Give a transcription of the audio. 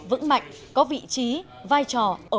vững mạnh có vị trí vai trò